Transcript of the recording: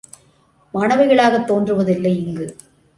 மாணவிகளாகத் தோன்றுவதில்லை இங்கு.